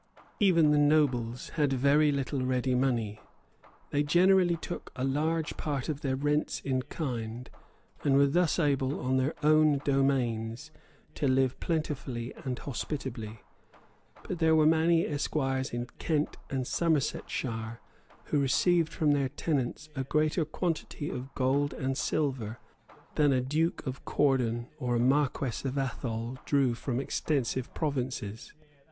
Even the nobles had very little ready money. They generally took a large part of their rents in kind, and were thus able, on their own domains, to live plentifully and hospitably. But there were many esquires in Kent and Somersetshire who received from their tenants a greater quantity of gold and silver than a Duke of Cordon or a Marquess of Atholl drew from extensive provinces.